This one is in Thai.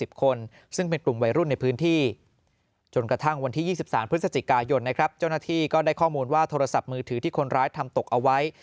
เจ้าหน้าที่ก็ได้ข้อมูลว่าโทรศัพท์มือถือที่คนร้ายทำตกเอาไว้